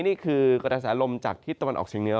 นี่คือกระแสลมจากที่ตะวันออกเฉียงเหนือ